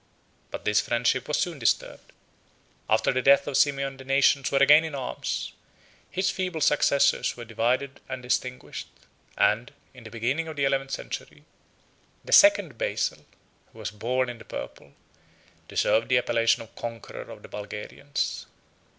But this friendship was soon disturbed: after the death of Simeon, the nations were again in arms; his feeble successors were divided and extinguished; and, in the beginning of the eleventh century, the second Basil, who was born in the purple, deserved the appellation of conqueror of the Bulgarians.